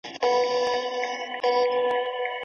ايا عدالت له ظلم څخه غوره دی؟